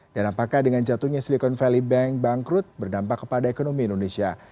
dan apakah dengan jatuhnya silicon valley bank bangkrut berdampak kepada ekonomi indonesia